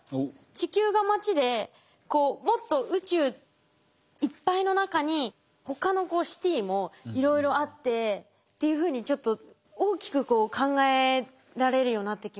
地球が町でもっと宇宙いっぱいの中に他のシティーもいろいろあってっていうふうにちょっと大きく考えられるようになってきました。